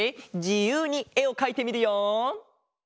じゆうにえをかいてみるよ！